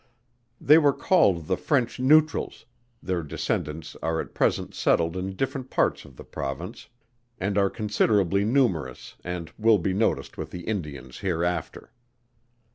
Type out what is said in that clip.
They were called the French neutrals their descendants are at present settled in different parts of the Province and are considerably numerous and will be noticed with the Indians hereafter.